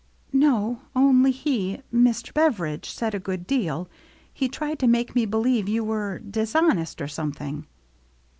"No — only he — Mr. Beveridge said a good deal — he tried to make me believe you were — dishonest, or something."